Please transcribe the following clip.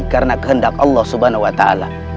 karena kehendak allah subhanahu wa ta'ala